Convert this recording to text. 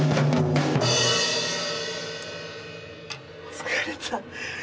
疲れた。